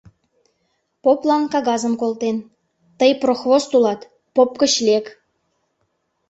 Поплан кагазым колтен: «Тый прохвост улат, поп гыч лек...»